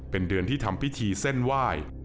เป็นเดือนที่ทำพิธีเส้นไหว้